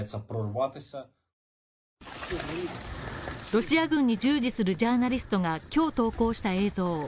ロシア軍に従事するジャーナリストが今日投稿した映像。